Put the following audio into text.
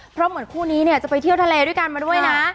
เพราะเหมือนคู่นี้เนี่ยจะไปเที่ยวทะเลด้วยกันมาด้วยนะ